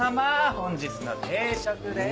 本日の定食です。